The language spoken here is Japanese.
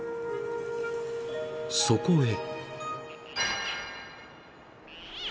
［そこへ］